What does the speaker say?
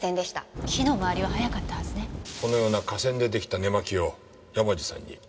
このような化繊で出来た寝間着を山路さんに。